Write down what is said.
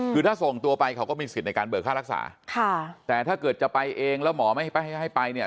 คือถ้าส่งตัวไปเขาก็มีสิทธิ์ในการเบิกค่ารักษาค่ะแต่ถ้าเกิดจะไปเองแล้วหมอไม่ให้ให้ไปเนี่ย